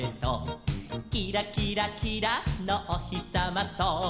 「キラキラキラのおひさまと」